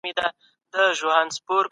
پريکړي بايد په ټولنه کي پلي سي.